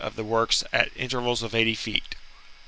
c. of the works at intervals of eighty feet.